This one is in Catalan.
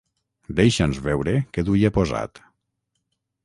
Deixa'ns veure que duia posat.